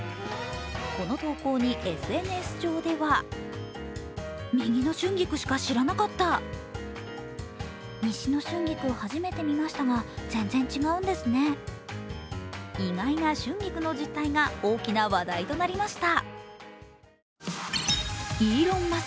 この投稿にＳＮＳ上では意外な春菊の実態が大きな話題となりました。